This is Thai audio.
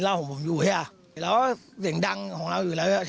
เหล้าของผมอยู่ซะหาละว่าเสียงดังของเราอยู่แล้ว